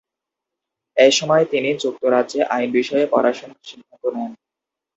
এসময় তিনি যুক্তরাজ্যে আইন বিষয়ে পড়াশোনার সিদ্ধান্ত নেন।